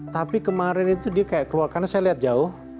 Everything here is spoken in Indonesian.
tapi kemarin itu dia kayak keluar karena saya lihat jauh